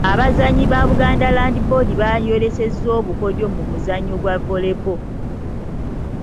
Abazannyi ba Buganda Land Board baayolesezza obukodyo mu muzannyo gwa Volley Ball.